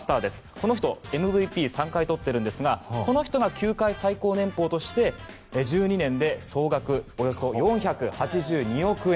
この人、ＭＶＰを３回とってるんですがこの人が球界最高年俸として１２年で総額およそ４８２億円。